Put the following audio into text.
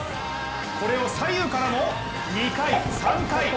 これを左右からも２回、３回。